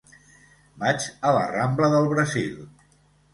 Vaig a la rambla del Brasil.